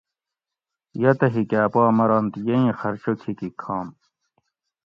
یہ تہ ہِیکاۤ پا مرنت یہ اِیں خرچہ کھِیکی کھم